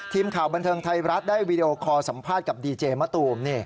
ทีมข่าวบันเทิงไทยรัฐได้วีดีโอคอร์สัมภาษณ์กับดีเจมะตูม